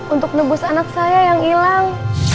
untuk nebus anak saya yang hilang